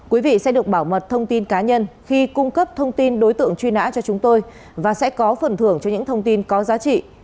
quý vị sẽ được bảo mật thông tin cá nhân khi cung cấp thông tin đối tượng truy nã cho chúng tôi và sẽ có phần thưởng cho những thông tin có giá trị